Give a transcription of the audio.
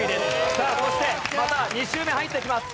さあそしてまた２周目入ってきます。